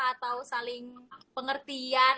atau saling pengertian